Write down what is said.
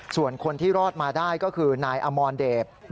ส่วนคนที่รอดมาได้ก็คือนายอมรเดช